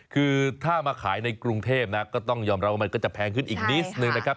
คือถ้ามาขายในกรุงเทพนะก็ต้องยอมรับว่ามันก็จะแพงขึ้นอีกนิดนึงนะครับ